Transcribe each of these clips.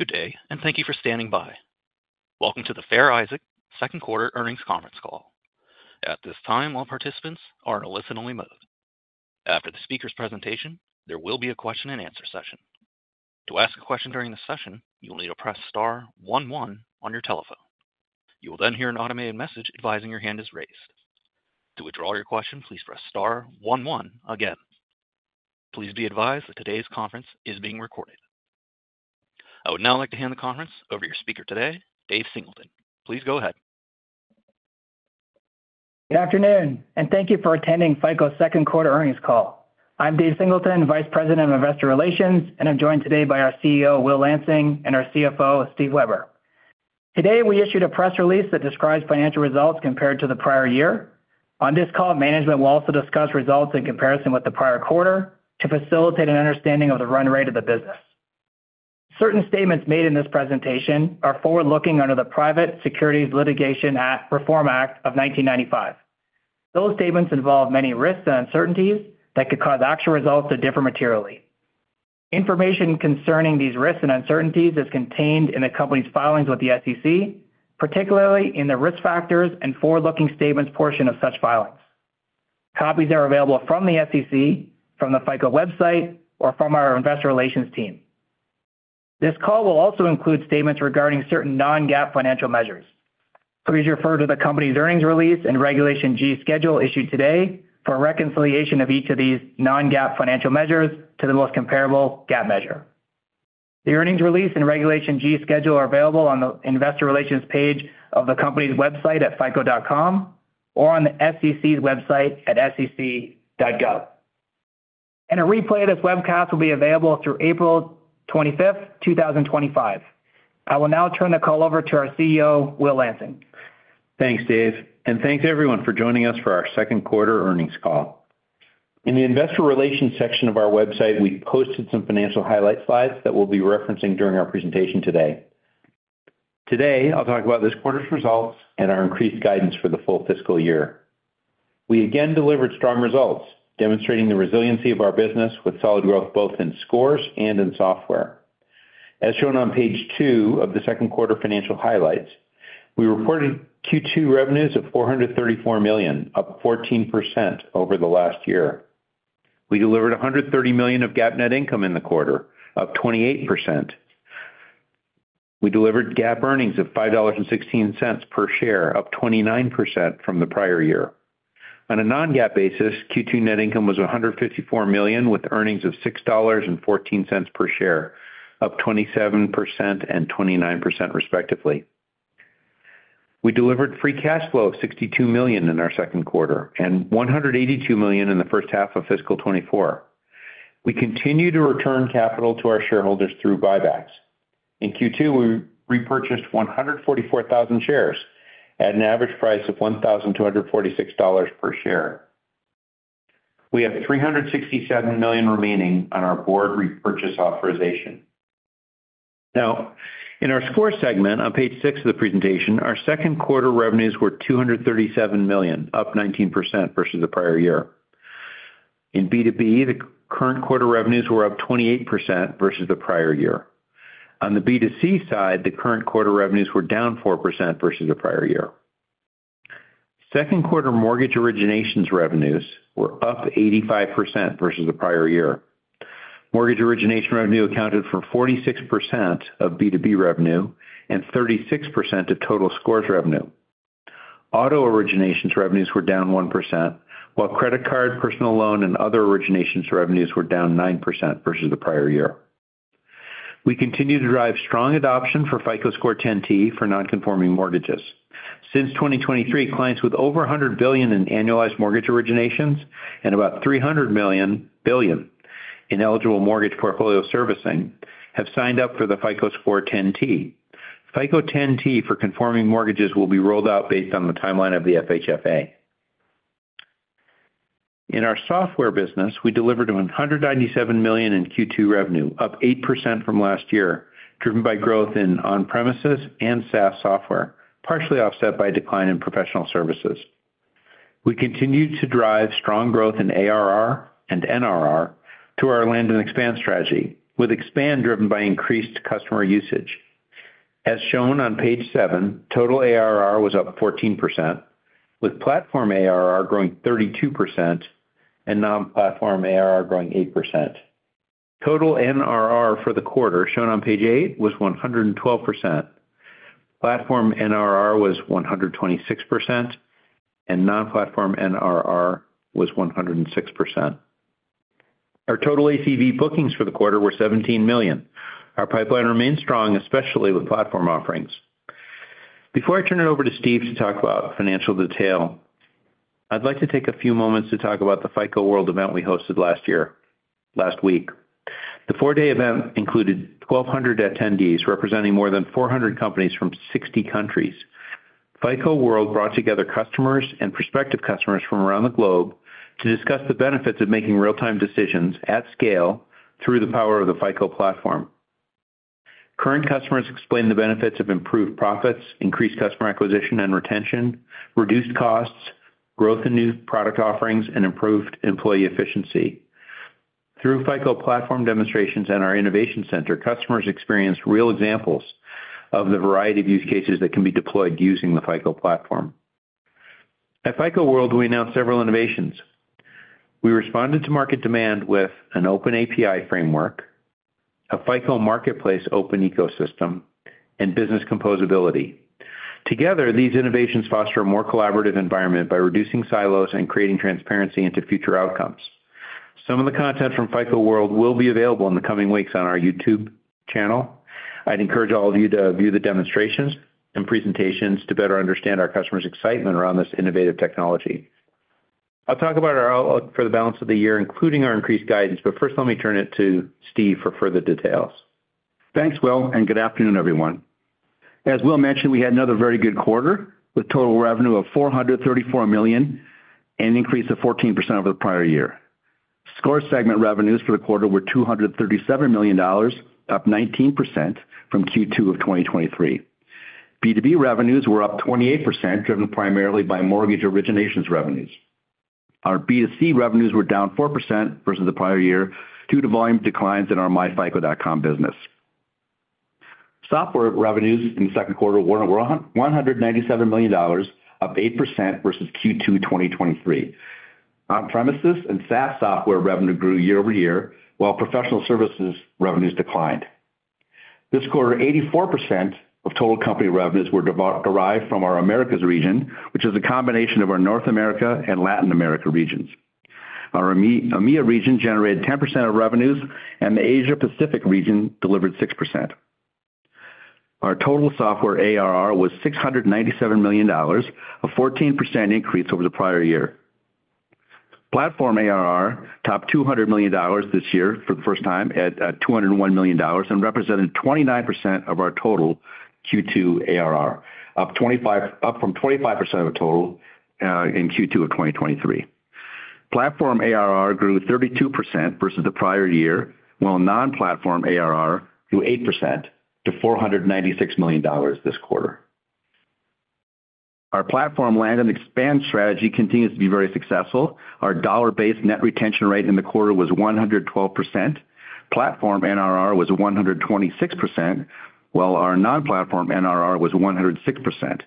Good day, and thank you for standing by. Welcome to the Fair Isaac Second Quarter Earnings Conference Call. At this time, all participants are in a listen-only mode. After the speaker's presentation, there will be a question-and-answer session. To ask a question during this session, you will need to press star one one on your telephone. You will then hear an automated message advising your hand is raised. To withdraw your question, please press star one one again. Please be advised that today's conference is being recorded. I would now like to hand the conference over to your speaker today, Dave Singleton. Please go ahead.. Good afternoon, and thank you for attending FICO's second quarter earnings call. I'm Dave Singleton, Vice President of Investor Relations, and I'm joined today by our CEO, Will Lansing, and our CFO, Steve Weber. Today, we issued a press release that describes financial results compared to the prior year. On this call, management will also discuss results in comparison with the prior quarter to facilitate an understanding of the run rate of the business. Certain statements made in this presentation are forward-looking under the Private Securities Litigation Reform Act of 1995. Those statements involve many risks and uncertainties that could cause actual results to differ materially. Information concerning these risks and uncertainties is contained in the company's filings with the SEC, particularly in the Risk Factors and Forward-Looking Statements portion of such filings. Copies are available from the SEC, from the FICO website, or from our investor relations team. This call will also include statements regarding certain non-GAAP financial measures. Please refer to the company's earnings release and Regulation G schedule issued today for a reconciliation of each of these non-GAAP financial measures to the most comparable GAAP measure. The earnings release and Regulation G schedule are available on the investor relations page of the company's website at fico.com or on the SEC's website at sec.gov. A replay of this webcast will be available through April 25, 2025. I will now turn the call over to our CEO, Will Lansing. Thanks, Dave, and thanks to everyone for joining us for our second quarter earnings call. In the investor relations section of our website, we posted some financial highlight slides that we'll be referencing during our presentation today. Today, I'll talk about this quarter's results and our increased guidance for the full fiscal year. We again delivered strong results, demonstrating the resiliency of our business with solid growth both in scores and in software. As shown on page 2 of the second quarter financial highlights, we reported Q2 revenues of $434 million, up 14% over the last year. We delivered $130 million of GAAP net income in the quarter, up 28%. We delivered GAAP earnings of $5.16 per share, up 29% from the prior year. On a non-GAAP basis, Q2 net income was $154 million, with earnings of $6.14 per share, up 27% and 29%, respectively. We delivered free cash flow of $62 million in our second quarter and $182 million in the first half of fiscal 2024. We continue to return capital to our shareholders through buybacks. In Q2, we repurchased 144,000 shares at an average price of $1,246 per share. We have $367 million remaining on our Board repurchase authorization. Now, in our Scores segment, on page 6 of the presentation, our second quarter revenues were $237 million, up 19% versus the prior year. In B2B, the current quarter revenues were up 28% versus the prior year. On the B2C side, the current quarter revenues were down 4% versus the prior year. Second quarter mortgage originations revenues were up 85% versus the prior year. Mortgage origination revenue accounted for 46% of B2B revenue and 36% of total scores revenue. Auto originations revenues were down 1%, while credit card, personal loan, and other originations revenues were down 9% versus the prior year. We continue to drive strong adoption for FICO Score 10 T for non-conforming mortgages. Since 2023, clients with over $100 billion in annualized mortgage originations and about $300 billion in eligible mortgage portfolio servicing have signed up for the FICO Score 10 T. FICO 10 T for conforming mortgages will be rolled out based on the timeline of the FHFA. In our software business, we delivered $197 million in Q2 revenue, up 8% from last year, driven by growth in on-premises and SaaS software, partially offset by a decline in professional services. We continued to drive strong growth in ARR and NRR through our land and expand strategy, with expand driven by increased customer usage. As shown on page 7, total ARR was up 14%, with Platform ARR growing 32% and non-Platform ARR growing 8%. Total NRR for the quarter, shown on page 8, was 112%. Platform NRR was 126%, and non-platform NRR was 106%. Our total ACV bookings for the quarter were $17 million. Our pipeline remains strong, especially with platform offerings. Before I turn it over to Steve to talk about financial detail, I'd like to take a few moments to talk about the FICO World event we hosted last year - last week. The 4-day event included 1,200 attendees, representing more than 400 companies from 60 countries. FICO World brought together customers and prospective customers from around the globe to discuss the benefits of making real-time decisions at scale through the power of the FICO Platform. Current customers explained the benefits of improved profits, increased customer acquisition and retention, reduced costs, growth in new product offerings, and improved employee efficiency. Through FICO Platform demonstrations and our innovation center, customers experience real examples of the variety of use cases that can be deployed using the FICO Platform. At FICO World, we announced several innovations. We responded to market demand with an open API framework, a FICO Marketplace open ecosystem, and business composability. Together, these innovations foster a more collaborative environment by reducing silos and creating transparency into future outcomes. Some of the content from FICO World will be available in the coming weeks on our YouTube channel. I'd encourage all of you to view the demonstrations and presentations to better understand our customers' excitement around this innovative technology. I'll talk about our outlook for the balance of the year, including our increased guidance, but first, let me turn it to Steve for further details. Thanks, Will, and good afternoon, everyone. As Will mentioned, we had another very good quarter, with total revenue of $434 million, an increase of 14% over the prior year. Score segment revenues for the quarter were $237 million, up 19% from Q2 of 2023. B2B revenues were up 28%, driven primarily by mortgage originations revenues. Our B2C revenues were down 4% versus the prior year due to volume declines in our myFICO.com business. Software revenues in the second quarter were one hundred and ninety-seven million dollars, up 8% versus Q2 2023. On-premises and SaaS software revenue grew year over year, while professional services revenues declined. This quarter, 84% of total company revenues were derived from our Americas region, which is a combination of our North America and Latin America regions. Our EMEA region generated 10% of revenues, and the Asia Pacific region delivered 6%. Our total software ARR was $697 million, a 14% increase over the prior year. Platform ARR topped $200 million this year for the first time at $201 million and represented 29% of our total Q2 ARR, up from 25% of the total in Q2 of 2023. Platform ARR grew 32% versus the prior year, while non-platform ARR grew 8% to $496 million this quarter. Our platform land and expand strategy continues to be very successful. Our dollar-based net retention rate in the quarter was 112%. Platform NRR was 126%, while our non-platform NRR was 106%.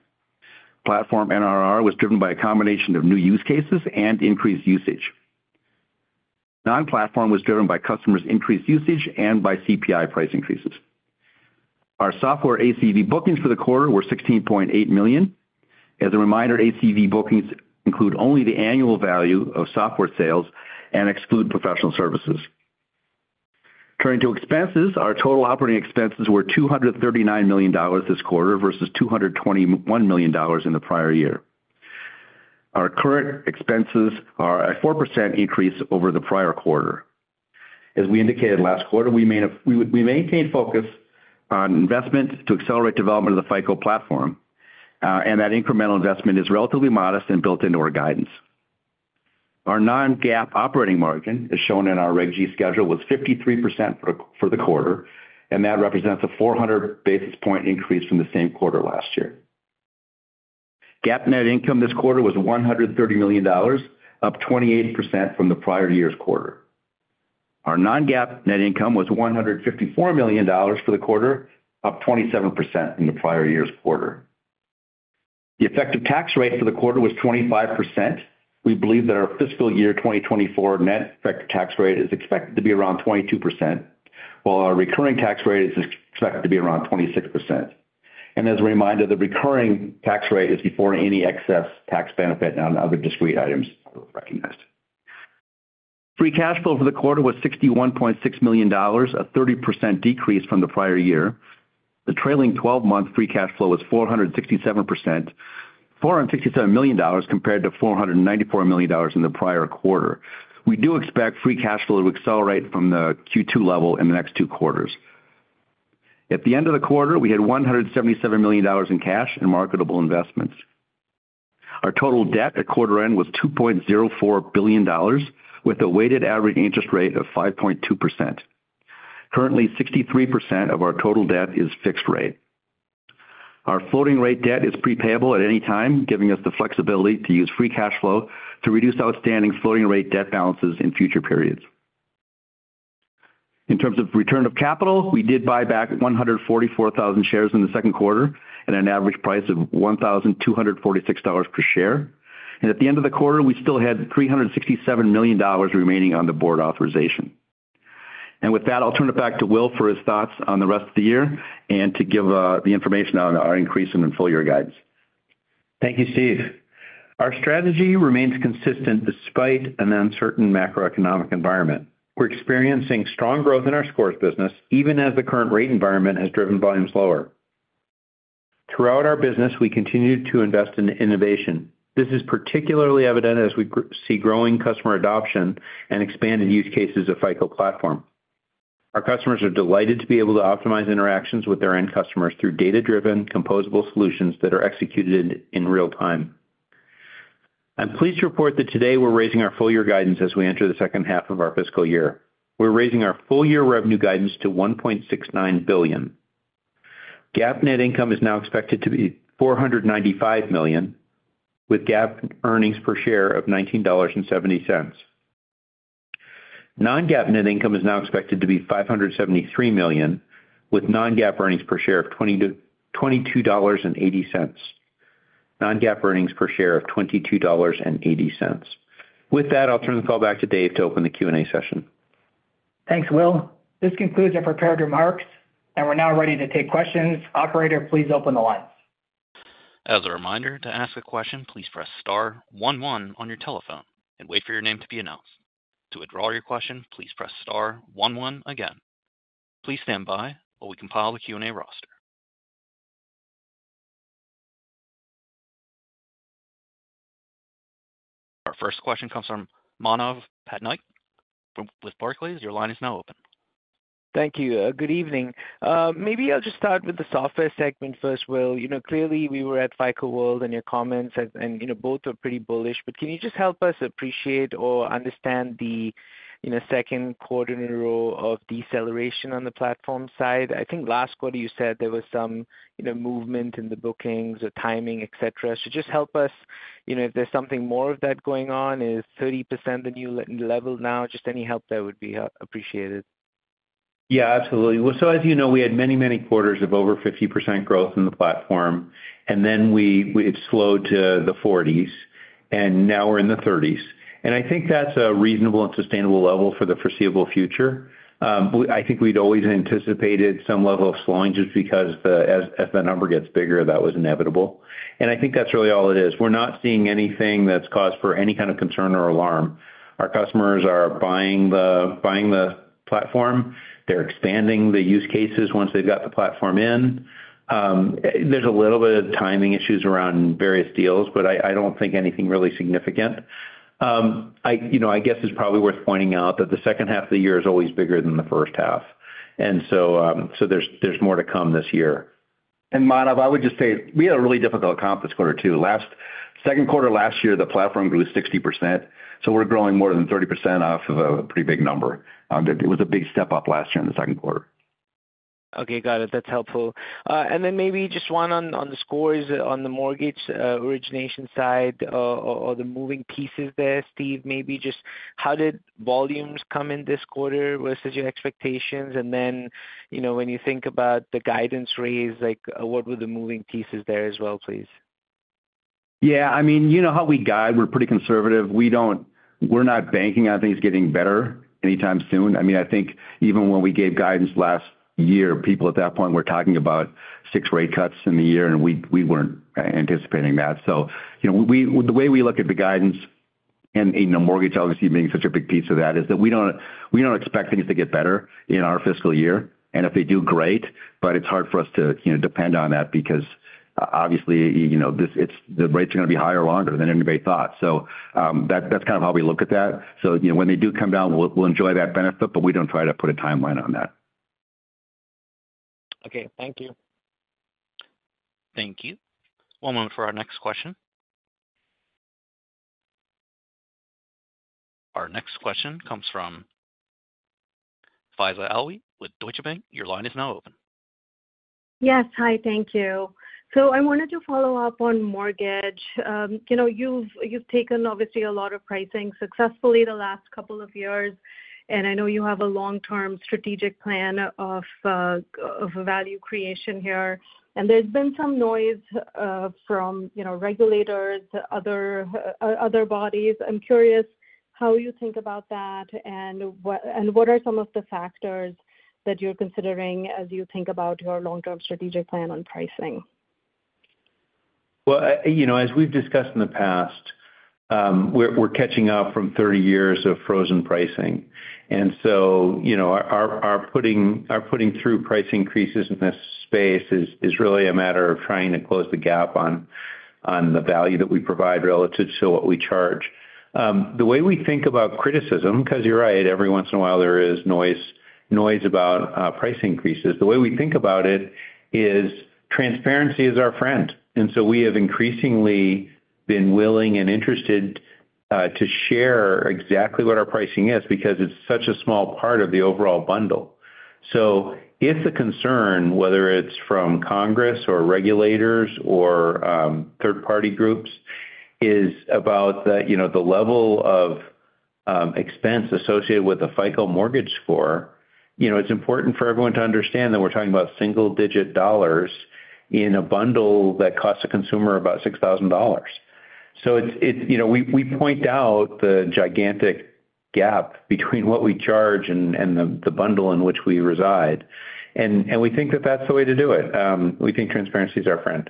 Platform NRR was driven by a combination of new use cases and increased usage. Non-platform was driven by customers' increased usage and by CPI price increases. Our software ACV bookings for the quarter were $16.8 million. As a reminder, ACV bookings include only the annual value of software sales and exclude professional services. Turning to expenses, our total operating expenses were $239 million this quarter versus $221 million in the prior year. Our current expenses are a 4% increase over the prior quarter. As we indicated last quarter, we maintained focus on investment to accelerate development of the FICO platform, and that incremental investment is relatively modest and built into our guidance. Our non-GAAP operating margin, as shown in our Reg G schedule, was 53% for the quarter, and that represents a 400 basis point increase from the same quarter last year. GAAP net income this quarter was $130 million, up 28% from the prior year's quarter. Our non-GAAP net income was $154 million for the quarter, up 27% from the prior year's quarter. The effective tax rate for the quarter was 25%. We believe that our fiscal year 2024 net effective tax rate is expected to be around 22%, while our recurring tax rate is expected to be around 26%. And as a reminder, the recurring tax rate is before any excess tax benefit on other discrete items recognized. Free cash flow for the quarter was $61.6 million, a 30% decrease from the prior year. The trailing twelve-month free cash flow was $467 million compared to $494 million in the prior quarter. We do expect free cash flow to accelerate from the Q2 level in the next two quarters. At the end of the quarter, we had $177 million in cash and marketable investments. Our total debt at quarter end was $2.04 billion, with a weighted average interest rate of 5.2%. Currently, 63% of our total debt is fixed rate. Our floating rate debt is prepayable at any time, giving us the flexibility to use free cash flow to reduce outstanding floating rate debt balances in future periods. In terms of return of capital, we did buy back 144,000 shares in the second quarter at an average price of $1,246 per share. At the end of the quarter, we still had $367 million remaining on the board authorization. With that, I'll turn it back to Will for his thoughts on the rest of the year and to give the information on our increase in the full year guidance. Thank you, Steve. Our strategy remains consistent despite an uncertain macroeconomic environment. We're experiencing strong growth in our Scores business, even as the current rate environment has driven volumes lower. Throughout our business, we continued to invest in innovation. This is particularly evident as we see growing customer adoption and expanded use cases of FICO Platform. Our customers are delighted to be able to optimize interactions with their end customers through data-driven, composable solutions that are executed in real time. I'm pleased to report that today we're raising our full-year guidance as we enter the second half of our fiscal year. We're raising our full-year revenue guidance to $1.69 billion. GAAP net income is now expected to be $495 million, with GAAP earnings per share of $19.70. Non-GAAP net income is now expected to be $573 million, with non-GAAP earnings per share of $20-$22.80. Non-GAAP earnings per share of $22.80. With that, I'll turn the call back to Dave to open the Q&A session. Thanks, Will. This concludes our prepared remarks, and we're now ready to take questions. Operator, please open the lines. As a reminder, to ask a question, please press star one one on your telephone and wait for your name to be announced. To withdraw your question, please press star one one again. Please stand by while we compile the Q&A roster. Our first question comes from Manav Patnaik with Barclays. Your line is now open. Thank you. Good evening. Maybe I'll just start with the software segment first, Will. You know, clearly, we were at FICO World, and your comments and, you know, both are pretty bullish. But can you just help us appreciate or understand the, in a second quarter in a row of deceleration on the platform side? I think last quarter you said there was some, you know, movement in the bookings or timing, et cetera. So just help us, you know, if there's something more of that going on, is 30% the new level now? Just any help there would be appreciated. Yeah, absolutely. Well, so as you know, we had many, many quarters of over 50% growth in the platform, and then it slowed to the 40s, and now we're in the 30s. I think that's a reasonable and sustainable level for the foreseeable future. I think we'd always anticipated some level of slowing just because as the number gets bigger, that was inevitable. I think that's really all it is. We're not seeing anything that's cause for any kind of concern or alarm. Our customers are buying the, buying the platform. They're expanding the use cases once they've got the platform in. There's a little bit of timing issues around various deals, but I don't think anything really significant. You know, I guess it's probably worth pointing out that the second half of the year is always bigger than the first half, and so there's more to come this year. Manav, I would just say, we had a really difficult comp quarter, too. Second quarter last year, the platform grew 60%, so we're growing more than 30% off of a pretty big number. It was a big step-up last year in the second quarter. Okay, got it. That's helpful. And then maybe just one on the scores on the mortgage origination side, or the moving pieces there, Steve. Maybe just how did volumes come in this quarter versus your expectations? And then, you know, when you think about the guidance raise, like, what were the moving pieces there as well, please? Yeah, I mean, you know how we guide, we're pretty conservative. We don't-- we're not banking on things getting better anytime soon. I mean, I think even when we gave guidance last year, people at that point were talking about six rate cuts in the year, and we, we weren't anticipating that. So, you know, we-- the way we look at the guidance and, and, you know, mortgage obviously being such a big piece of that, is that we don't, we don't expect things to get better in our fiscal year, and if they do, great, but it's hard for us to, you know, depend on that because obviously, you know, this-- it's, the rates are going to be higher, longer than anybody thought. So, that's kind of how we look at that. you know, when they do come down, we'll, we'll enjoy that benefit, but we don't try to put a timeline on that. Okay, thank you. Thank you. One moment for our next question. Our next question comes from Faiza Alwy with Deutsche Bank. Your line is now open. Yes. Hi, thank you. So I wanted to follow up on mortgage. You know, you've taken, obviously, a lot of pricing successfully the last couple of years, and I know you have a long-term strategic plan of value creation here. And there's been some noise from, you know, regulators, other bodies. I'm curious how you think about that, and what are some of the factors that you're considering as you think about your long-term strategic plan on pricing? Well, you know, as we've discussed in the past, we're catching up from 30 years of frozen pricing. And so, you know, our putting through price increases in this space is really a matter of trying to close the gap on the value that we provide relative to what we charge. The way we think about criticism, 'cause you're right, every once in a while, there is noise about price increases. The way we think about it is transparency is our friend, and so we have increasingly been willing and interested to share exactly what our pricing is, because it's such a small part of the overall bundle. So if the concern, whether it's from Congress or regulators or third-party groups, is about the you know the level of expense associated with the FICO mortgage score, you know, it's important for everyone to understand that we're talking about single-digit dollars in a bundle that costs a consumer about $6,000. So it's you know, we point out the gigantic gap between what we charge and the bundle in which we reside, and we think that that's the way to do it. We think transparency is our friend.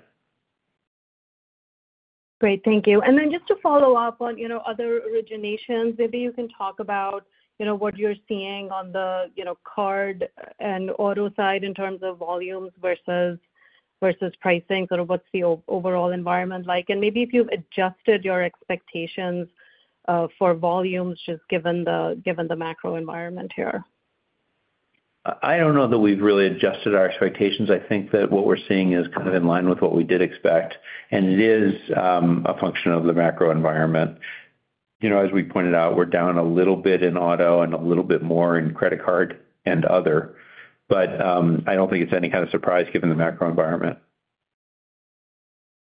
Great, thank you. Then just to follow up on, you know, other originations, maybe you can talk about, you know, what you're seeing on the, you know, card and auto side in terms of volumes versus pricing. Sort of what's the overall environment like, and maybe if you've adjusted your expectations for volumes, just given the macro environment here? I don't know that we've really adjusted our expectations. I think that what we're seeing is kind of in line with what we did expect, and it is a function of the macro environment. You know, as we pointed out, we're down a little bit in auto and a little bit more in credit card and other, but I don't think it's any kind of surprise given the macro environment.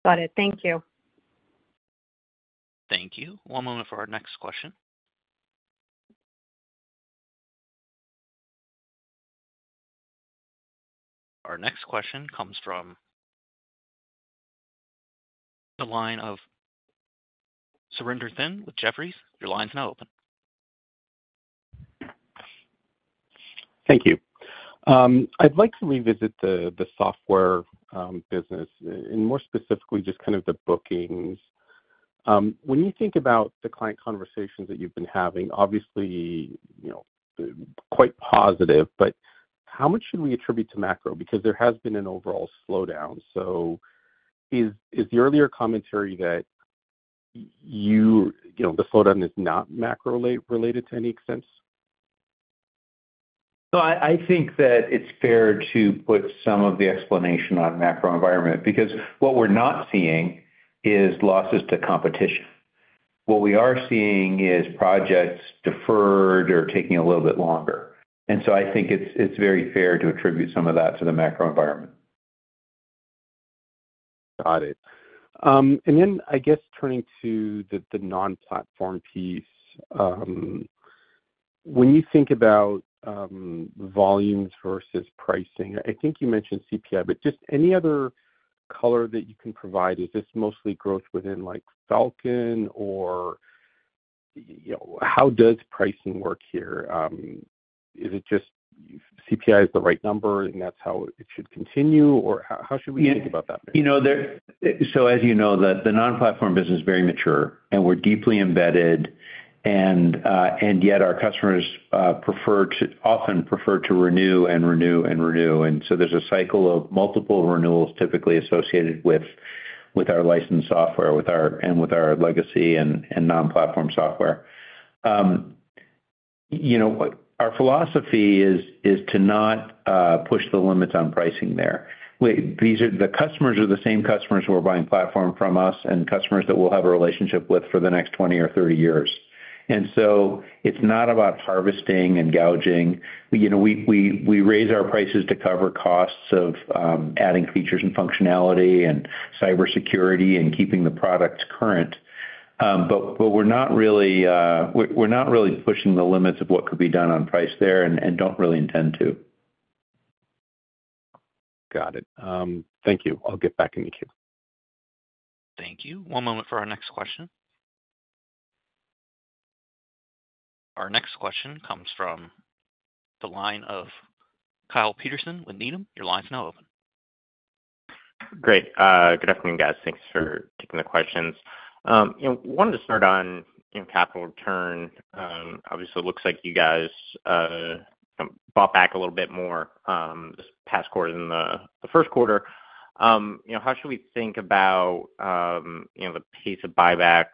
Got it. Thank you. Thank you. One moment for our next question. Our next question comes from the line of Surinder Thind with Jefferies. Your line is now open. Thank you. I'd like to revisit the software business, and more specifically, just kind of the bookings. When you think about the client conversations that you've been having, obviously, you know, quite positive, but how much should we attribute to macro? Because there has been an overall slowdown. So is the earlier commentary that you know, the slowdown is not macro-related to any extent? No, I think that it's fair to put some of the explanation on macro environment, because what we're not seeing is losses to competition. What we are seeing is projects deferred or taking a little bit longer. And so I think it's very fair to attribute some of that to the macro environment. Got it. And then, I guess turning to the non-platform piece, when you think about volumes versus pricing, I think you mentioned CPI, but just any other color that you can provide, is this mostly growth within, like, Falcon, or, you know, how does pricing work here? Is it just CPI is the right number, and that's how it should continue? Or how should we think about that? You know, so as you know, the non-platform business is very mature, and we're deeply embedded, and yet our customers prefer to often prefer to renew and renew and renew, and so there's a cycle of multiple renewals typically associated with our licensed software, and with our legacy and non-platform software. You know, our philosophy is to not push the limits on pricing there. These are the customers are the same customers who are buying platform from us and customers that we'll have a relationship with for the next 20 or 30 years. And so it's not about harvesting and gouging. You know, we raise our prices to cover costs of adding features and functionality and cybersecurity and keeping the products current. But we're not really pushing the limits of what could be done on price there and don't really intend to. Got it. Thank you. I'll get back in queue. Thank you. One moment for our next question. Our next question comes from the line of Kyle Peterson with Needham. Your line is now open. Great. Good afternoon, guys. Thanks for taking the questions. You know, wanted to start on, you know, capital return. Obviously, it looks like you guys bought back a little bit more this past quarter than the first quarter. You know, how should we think about, you know, the pace of buybacks,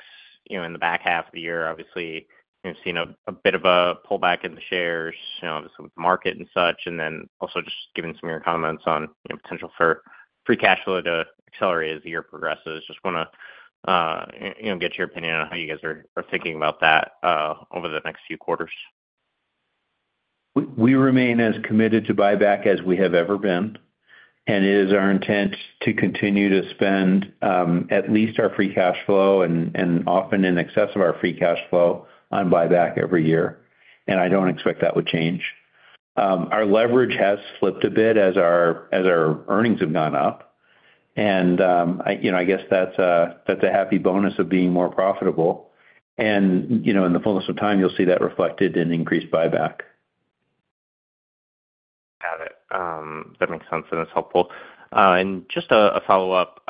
you know, in the back half of the year? Obviously, you've seen a bit of a pullback in the shares, you know, obviously, with the market and such. And then also just given some of your comments on, you know, potential for free cash flow to accelerate as the year progresses. Just wanna, you know, get your opinion on how you guys are thinking about that over the next few quarters. We remain as committed to buyback as we have ever been, and it is our intent to continue to spend at least our free cash flow and often in excess of our free cash flow on buyback every year, and I don't expect that would change. Our leverage has slipped a bit as our earnings have gone up, and you know, I guess that's a happy bonus of being more profitable. You know, in the fullness of time, you'll see that reflected in increased buyback. Got it. That makes sense, and it's helpful. And just a follow-up,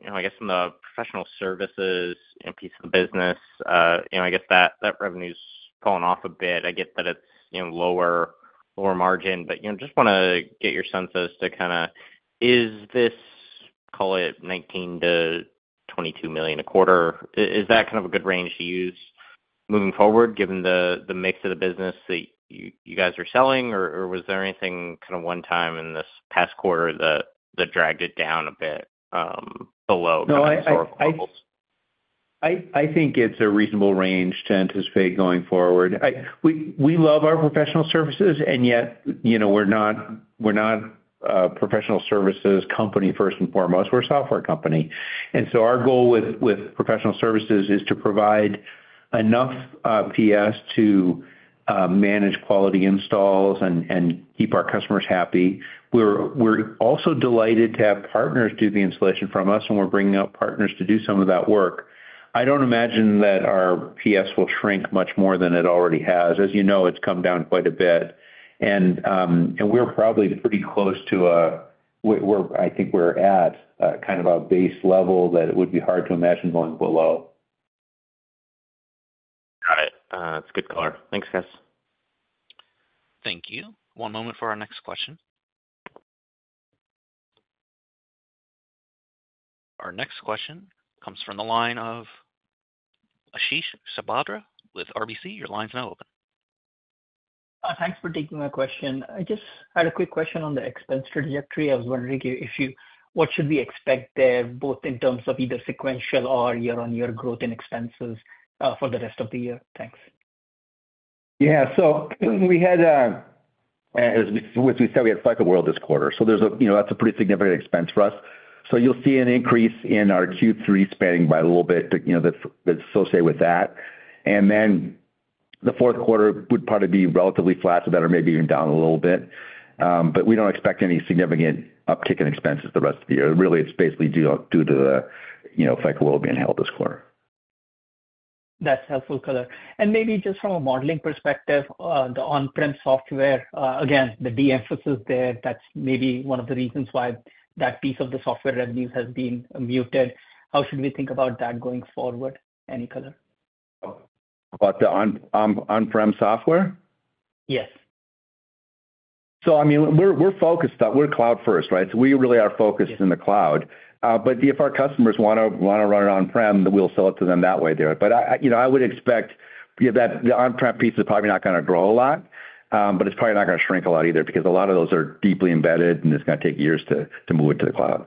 you know, I guess from the professional services and piece of the business, you know, I guess that revenue's fallen off a bit. I get that it's, you know, lower, lower margin, but, you know, just wanna get your sense as to kinda, is this, call it $19 million-$22 million a quarter? Is that kind of a good range to use moving forward, given the, the mix of the business that you, you guys are selling, or, or was there anything kinda one time in this past quarter that, that dragged it down a bit, below historical levels? I think it's a reasonable range to anticipate going forward. We love our professional services, and yet, you know, we're not a professional services company first and foremost, we're a software company. And so our goal with professional services is to provide enough PS to manage quality installs and keep our customers happy. We're also delighted to have partners do the installation from us, and we're bringing out partners to do some of that work. I don't imagine that our PS will shrink much more than it already has. As you know, it's come down quite a bit, and we're probably pretty close to a base level that it would be hard to imagine going below. Got it. It's a good color. Thanks, guys. Thank you. One moment for our next question. Our next question comes from the line of Ashish Sabadra with RBC. Your line is now open. Thanks for taking my question. I just had a quick question on the expense trajectory. I was wondering if you- what should we expect there, both in terms of either sequential or year-on-year growth in expenses, for the rest of the year? Thanks. Yeah. So we had, which we said we had FICO World this quarter. So there's a, you know, that's a pretty significant expense for us. So you'll see an increase in our Q3 spending by a little bit, you know, that's, that's associated with that. And then the fourth quarter would probably be relatively flat to that or maybe even down a little bit. But we don't expect any significant uptick in expenses the rest of the year. Really, it's basically due to the, you know, FICO World being held this quarter. That's helpful color. Maybe just from a modeling perspective, the on-prem software, again, the de-emphasis there, that's maybe one of the reasons why that piece of the software revenues has been muted. How should we think about that going forward? Any color. About the on-prem software? Yes. So I mean, we're, we're focused on... We're cloud first, right? So we really are focused in the cloud. But if our customers want to, want to run it on-prem, then we'll sell it to them that way there. But I, I, you know, I would expect that the on-prem piece is probably not going to grow a lot, but it's probably not going to shrink a lot either, because a lot of those are deeply embedded, and it's going to take years to, to move it to the cloud.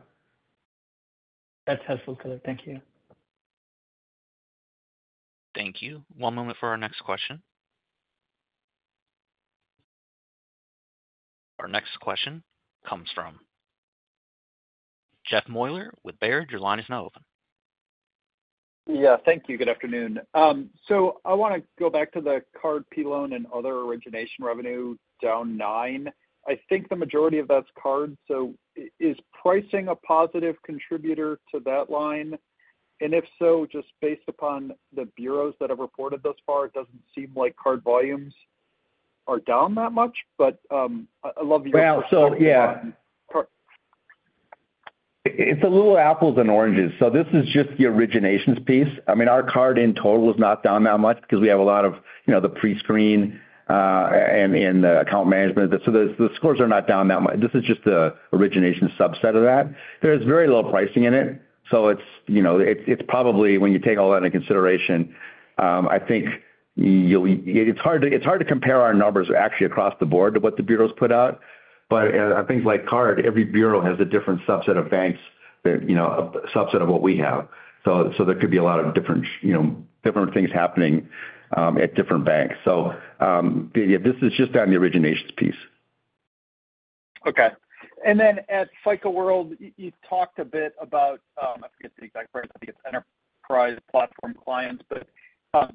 That's helpful, caller. Thank you. Thank you. One moment for our next question. Our next question comes from Jeff Meuler with Baird. Your line is now open. Yeah, thank you. Good afternoon. So I want to go back to the Cards, PL and other origination revenue down 9%. I think the majority of that's card, so is pricing a positive contributor to that line? And if so, just based upon the bureaus that have reported thus far, it doesn't seem like card volumes are down that much, but I'd love to hear- Well, so, yeah. It's a little apples and oranges. So this is just the originations piece. I mean, our card in total is not down that much because we have a lot of, you know, the prescreen, and, and the account management. So the, the scores are not down that much. This is just the origination subset of that. There's very little pricing in it, so it's, you know, it's, it's probably when you take all that into consideration, I think you'll. It's hard to, it's hard to compare our numbers actually across the board to what the bureaus put out. But on things like card, every bureau has a different subset of banks that, you know, a subset of what we have. So, so there could be a lot of different, you know, different things happening, at different banks. This is just on the originations piece. Okay. And then at FICO World, you talked a bit about, I forget the exact phrase, I think it's enterprise platform clients, but,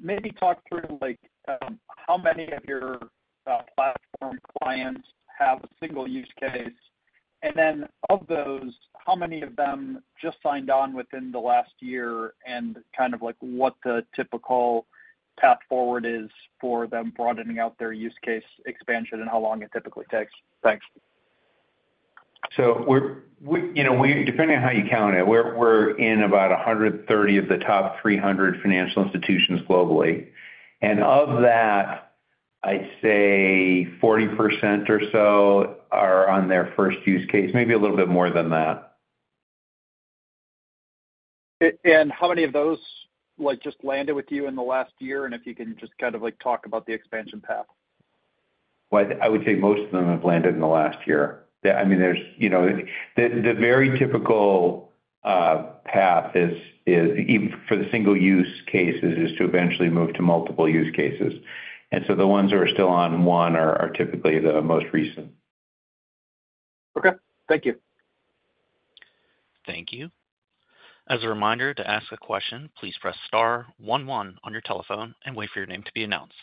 maybe talk through like, how many of your platform clients have a single use case. And then of those, how many of them just signed on within the last year, and kind of like what the typical path forward is for them broadening out their use case expansion and how long it typically takes? Thanks. So we're, you know, depending on how you count it, we're in about 130 of the top 300 financial institutions globally. And of that, I'd say 40% or so are on their first use case, maybe a little bit more than that. And how many of those, like, just landed with you in the last year? And if you can just kind of, like, talk about the expansion path. Well, I would say most of them have landed in the last year. I mean, there's, you know, the very typical path is for the single use cases to eventually move to multiple use cases. And so the ones that are still on one are typically the most recent. Okay, thank you. Thank you. As a reminder, to ask a question, please press star one one on your telephone and wait for your name to be announced.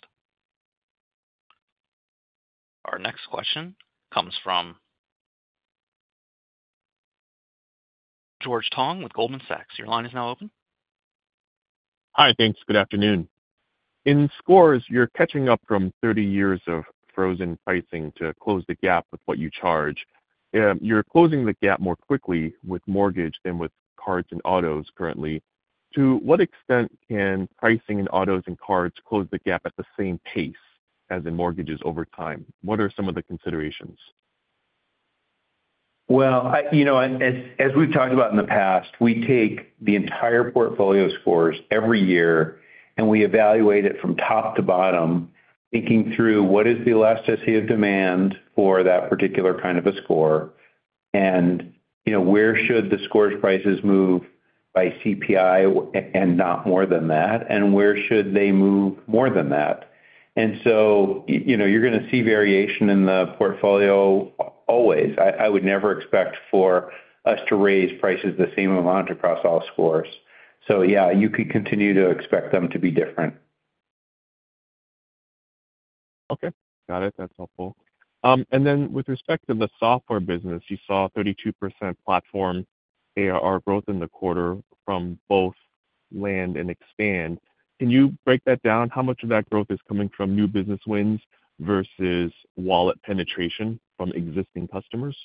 Our next question comes from George Tong with Goldman Sachs. Your line is now open. Hi, thanks. Good afternoon. In scores, you're catching up from 30 years of frozen pricing to close the gap with what you charge. You're closing the gap more quickly with mortgage than with cards and autos currently. To what extent can pricing in autos and cards close the gap at the same pace as in mortgages over time? What are some of the considerations? Well, you know, as we've talked about in the past, we take the entire portfolio scores every year, and we evaluate it from top to bottom, thinking through what is the elasticity of demand for that particular kind of a score, and, you know, where should the scores prices move by CPI and not more than that, and where should they move more than that? And so, you know, you're going to see variation in the portfolio always. I would never expect for us to raise prices the same amount across all scores. So yeah, you could continue to expect them to be different. Okay, got it. That's helpful. Then with respect to the software business, you saw 32% platform ARR growth in the quarter from both land and expand. Can you break that down? How much of that growth is coming from new business wins versus wallet penetration from existing customers?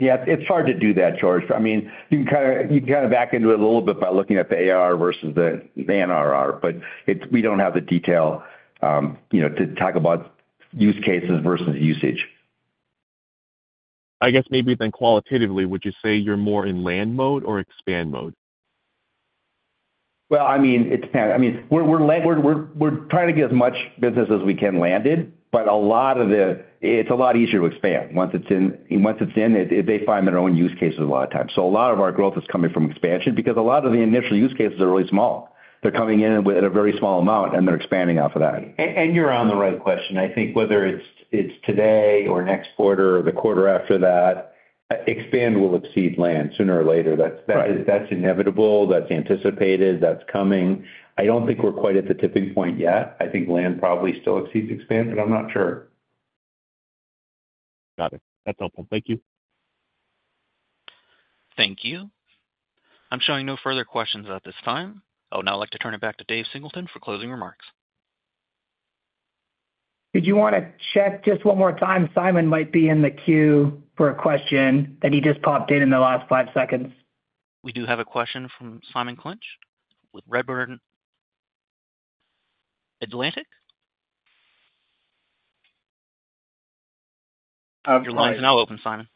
Yeah, it's hard to do that, George. I mean, you can kinda, you can kinda back into it a little bit by looking at the ARR versus the NRR, but it's, we don't have the detail, you know, to talk about use cases versus usage.... I guess maybe then qualitatively, would you say you're more in land mode or expand mode? Well, I mean, it depends. I mean, we're trying to get as much business as we can landed, but it's a lot easier to expand once it's in. Once it's in, they find their own use cases a lot of times. So a lot of our growth is coming from expansion because a lot of the initial use cases are really small. They're coming in at a very small amount, and they're expanding off of that. And you're on the right question. I think whether it's today or next quarter or the quarter after that, expansion will exceed demand sooner or later. Right. That's, that's inevitable, that's anticipated, that's coming. I don't think we're quite at the tipping point yet. I think land probably still exceeds expand, but I'm not sure. Got it. That's helpful. Thank you. Thank you. I'm showing no further questions at this time. I would now like to turn it back to Dave Singleton for closing remarks. Did you want to check just one more time? Simon might be in the queue for a question, that he just popped in the last five seconds. We do have a question from Simon Clinch with Redburn Atlantic. Your line is now open, Simon.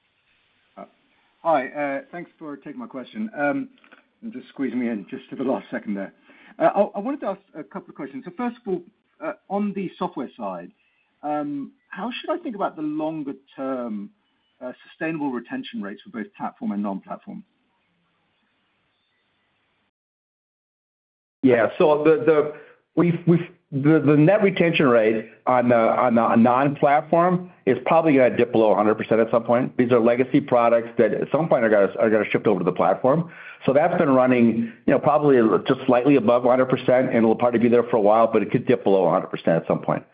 Hi, thanks for taking my question, and just squeezing me in just to the last second there. I wanted to ask a couple of questions. So first of all, on the software side, how should I think about the longer-term, sustainable retention rates for both platform and non-platform? Yeah, so the net retention rate on the non-platform is probably going to dip below 100% at some point. These are legacy products that at some point are gonna shift over to the platform. So that's been running, you know, probably just slightly above 100%, and it'll probably be there for a while, but it could dip below 100% at some point.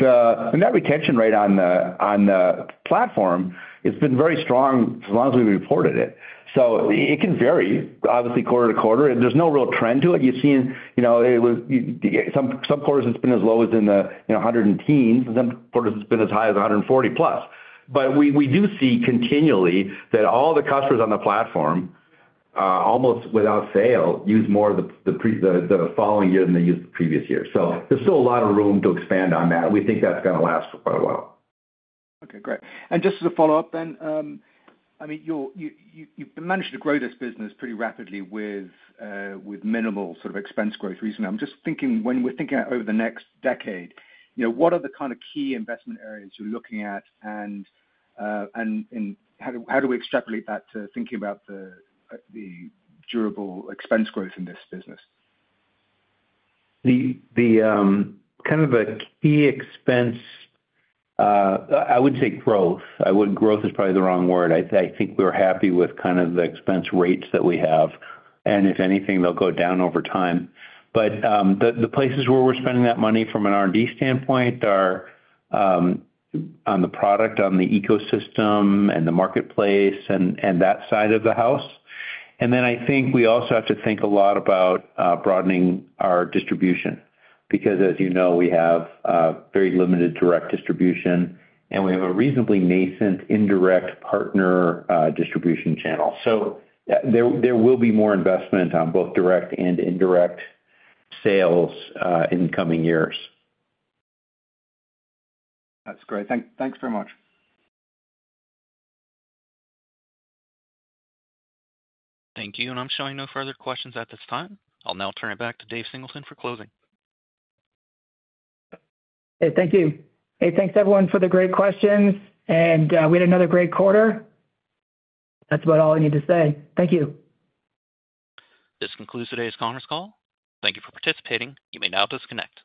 The net retention rate on the platform, it's been very strong as long as we've reported it. So it can vary, obviously, quarter to quarter. There's no real trend to it. You've seen, you know, some quarters it's been as low as in the 110s, and some quarters it's been as high as 140%+. But we do see continually that all the customers on the platform, almost without fail, use more of the following year than they used the previous year. So there's still a lot of room to expand on that. We think that's gonna last for quite a while. Okay, great. And just as a follow-up then, I mean, you've managed to grow this business pretty rapidly with, with minimal sort of expense growth recently. I'm just thinking, when we're thinking out over the next decade, you know, what are the kind of key investment areas you're looking at? And, and, and how do we extrapolate that to thinking about the, the durable expense growth in this business? Kind of a key expense, I would say growth. I wouldn't. Growth is probably the wrong word. I think we're happy with kind of the expense rates that we have, and if anything, they'll go down over time. But the places where we're spending that money from an R&D standpoint are on the product, on the ecosystem, and the marketplace and that side of the house. And then I think we also have to think a lot about broadening our distribution, because as you know, we have very limited direct distribution, and we have a reasonably nascent indirect partner distribution channel. So there will be more investment on both direct and indirect sales in the coming years. That's great. Thanks very much. Thank you, and I'm showing no further questions at this time. I'll now turn it back to Dave Singleton for closing. Hey, thank you. Hey, thanks, everyone, for the great questions, and we had another great quarter. That's about all I need to say. Thank you. This concludes today's conference call. Thank you for participating. You may now disconnect.